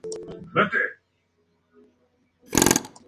En las aguas corrientes del río aparecen en primavera las ovas.